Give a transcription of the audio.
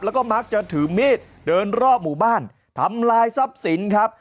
แล้วก็มักจะถือมีดเดินรอบหมู่บ้านทำลายทรัพย์สินครับ